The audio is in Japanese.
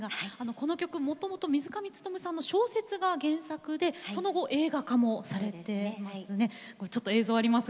この曲は、もともと水上勉さんの小説が原作で後に映画化もされたんです。